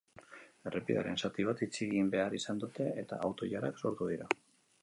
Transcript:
Errepidearen zati bat itxi egin behar izan dute eta auto-ilarak sortu dira.